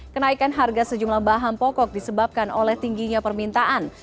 kenaikan harga sejumlah bahan pokok disebabkan oleh tingginya permintaan